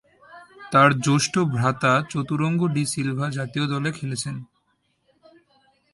তার জ্যেষ্ঠ ভ্রাতা চতুরঙ্গ ডি সিলভা জাতীয় দলে খেলছেন।